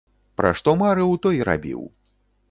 Пра што марыў, то і рабіў.